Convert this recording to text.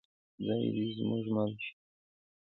خدای دې زموږ مل شي؟